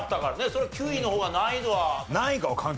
そりゃ９位の方が難易度は。